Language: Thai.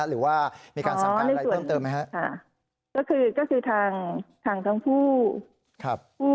หรือว่ามีการสั่งการอะไรเพิ่มเติมไหมฮะค่ะก็คือก็คือทางทางทั้งคู่ครับ